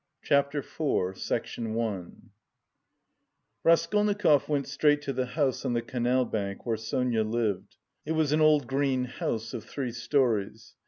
CHAPTER IV Raskolnikov went straight to the house on the canal bank where Sonia lived. It was an old green house of three storeys.